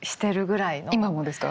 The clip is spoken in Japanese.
今もですか？